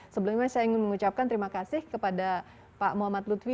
sebelumnya saya ingin mengucapkan terima kasih kepada pak muhammad lutfi